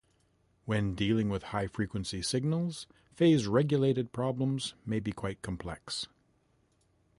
When dealing with high frequency signals, phase-related problems may be quite complex.